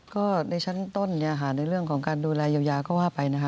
ก็ในชั้นต้นในเรื่องของการดูแลเยียวยาก็ว่าไปนะคะ